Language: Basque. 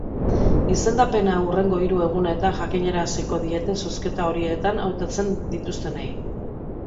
Izendapena hurrengo hiru egunetan jakinaraziko diete zozketa horietan hautatzen dituztenei.